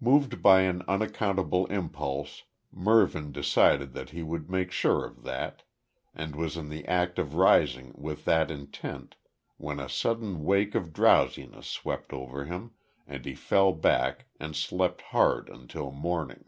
Moved by an unaccountable impulse Mervyn decided that he would make sure of that, and was in the act of rising with that intent when a sudden wake of drowsiness swept over him, and he fell back and slept hard until morning.